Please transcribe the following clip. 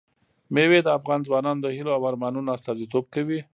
مېوې د افغان ځوانانو د هیلو او ارمانونو استازیتوب کوي.